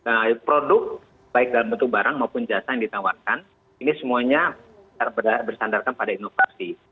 nah produk baik dalam bentuk barang maupun jasa yang ditawarkan ini semuanya bersandarkan pada inovasi